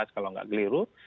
kalau nggak geliru